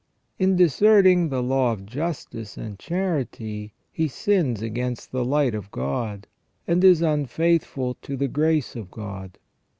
In deserting the law of justice and charity he sins against the light of God, and is unfaithful to the grace of God.